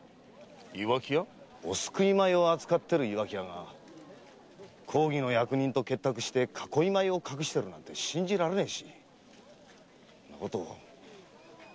お救い米を扱ってる岩城屋が公儀の役人と結託して囲い米を隠してるなんて信じられねえしそれはあっちゃならねえことだ！